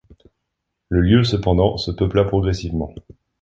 Le lieu cependant se peupla progressivement.